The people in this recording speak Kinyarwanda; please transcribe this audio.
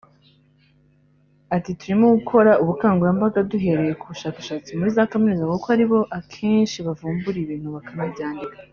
Ati “Turimo gukora ubukangurambaga duhereye ku bashakashatsi muri za kaminuza kuko ari bo akenshi bavumbura ibintu bakanabyandika